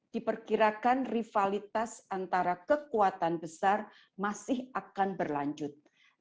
diperkirakan rivalitas antara kekuatan besar masih akan berlanjut